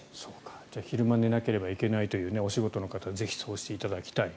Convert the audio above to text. じゃあ昼間寝なければいけないというお仕事の方はぜひそうしていただきたい。